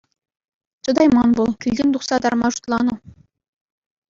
Чӑтайман вӑл, килтен тухса тарма шутланӑ.